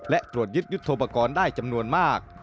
และตรวจยึดยุทธโปรกรณ์ได้จำนวนมาก